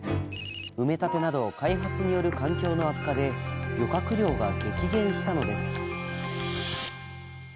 埋め立てなどの開発による環境の悪化で漁獲量が激減したのです。